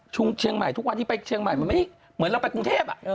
เชียงใหม่ทุกวันนี้ไปเชียงใหม่มันไม่เหมือนเราไปกรุงเทพ